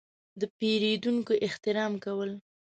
– د پېرودونکو احترام کول.